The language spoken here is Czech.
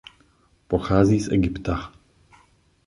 Pochází z Egypta.